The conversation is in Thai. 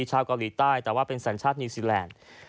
ชาวเกาหลีใต้แต่ว่าเป็นสัญชาตินิวซีแลนด์